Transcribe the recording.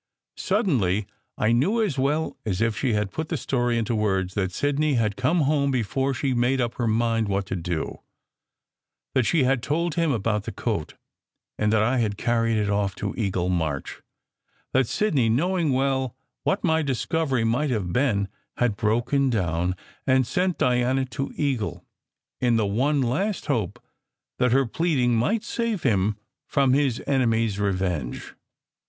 Suddenly I knew as well as if she had put the story into words that Sidney had come home before she had made up her mind what to do; that she had told him about the coat, and that I had carried it off to Eagle March ; that Sidney, knowing well what my discovery must have been, had broken down and sent Diana to Eagle, in the one last hope that her pleading might save him from his enemy s revenge.